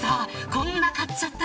こんな買っちゃった。